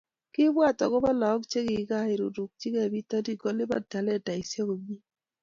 Kiibwat agobo lagok chekikairiruchkei, bitonin kelipani talentaisiek komie